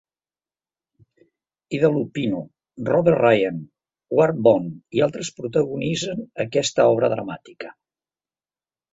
Ida Lupino, Robert Ryan, Ward Bond i altres protagonitzen aquesta obra dramàtica.